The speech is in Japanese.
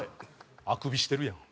あくびしてるやん。